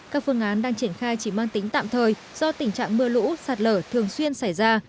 các phương án đang triển khai chỉ mang tính tạm thời do tình trạng mưa lũ sạt lở thường xuyên xảy ra